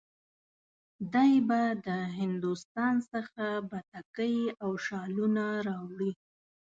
دی به د هندوستان څخه بتکۍ او شالونه راوړي.